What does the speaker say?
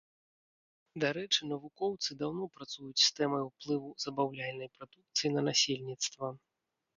Дарэчы, навукоўцы даўно працуюць з тэмай уплыву забаўляльнай прадукцыі на насельніцтва.